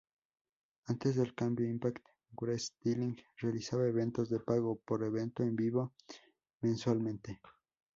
Antes del cambio, Impact Wrestling realizaba eventos de pago por evento en vivo mensualmente.